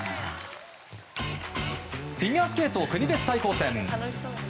フィギュアスケート国別対抗戦。